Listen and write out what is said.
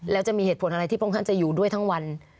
แล้วจะมีเหตุผลอะไรที่พระองค์ท่านจะอยู่ด้วยทั้งวัน